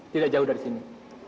tidak jauh dari sini